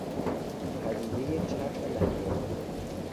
پدیدهی چرخ لنگری